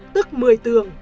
tức một mươi tường